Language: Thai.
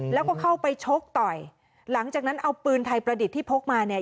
แล้วก็เข้าไปชกต่อยหลังจากนั้นเอาปืนไทยประดิษฐ์ที่พกมาเนี่ย